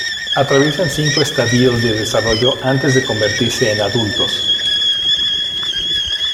Atraviesan cinco estadios de desarrollo antes de convertirse en adultos.